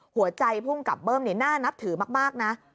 หัวใจพ่วงกับเบิ้มเนี่ยหน้านับถือมากนะ